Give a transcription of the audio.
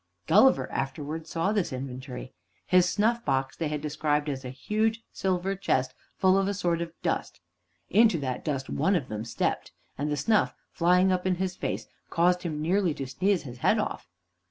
Gulliver afterward saw this inventory. His snuff box they had described as a "huge silver chest, full of a sort of dust." Into that dust one of them stepped, and the snuff, flying up in his face, caused him nearly to sneeze his head off.